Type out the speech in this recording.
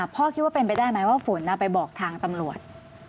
คิดว่าเป็นไปได้ไหมว่าฝนไปบอกทางตำรวจ